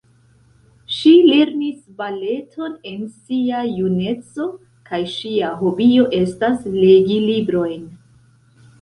Ŝi lernis baleton en sia juneco kaj ŝia hobio estas legi librojn.